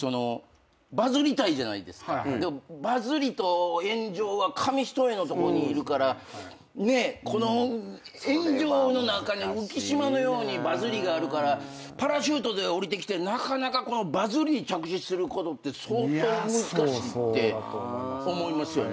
バズりたいじゃないですか。のとこにいるからこの炎上の中に浮島のようにバズりがあるからパラシュートでおりてきてバズりに着地することって相当難しいって思いますよね。